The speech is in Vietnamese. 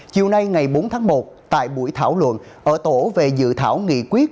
chiều nay ngày bốn tháng một tại buổi thảo luận ở tổ về dự thảo nghị quyết